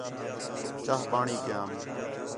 چاہ، پاݨی کیام